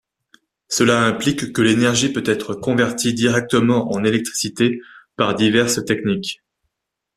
Cela implique que l’énergie peut être convertie directement en électricité par diverses techniques.